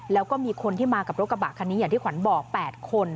แล้วก็มีคนที่มากับรถกระบะคันนี้อย่างที่ขวัญบอก๘คน